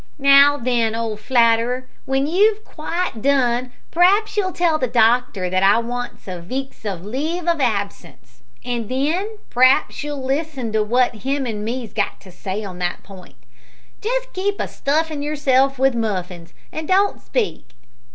"Now then, old flatterer, w'en you've quite done, p'raps you'll tell the doctor that I wants a veek's leave of absence, an' then, p'raps you'll listen to what him an' me's got to say on that p'int. Just keep a stuffin' of yourself with muffins, an' don't speak."